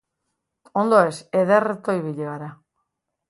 Ondo ez, ederto ibili gara.